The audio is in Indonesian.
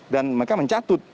dan mereka mencatut